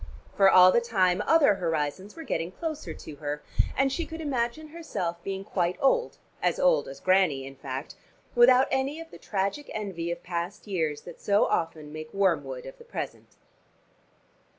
For all the time other horizons were getting closer to her, and she could imagine herself being quite old "as old as Grannie" in fact without any of the tragic envy of past years that so often make wormwood of the present.